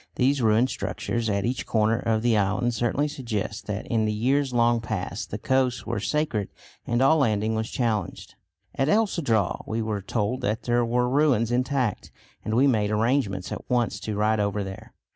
These ruined structures at each corner of the island certainly suggest that in the years long past the coasts were sacred and all landing was challenged. At El Cedral we were told that there were ruins intact, and we made arrangements at once to ride over there.